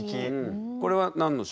これは何の写真？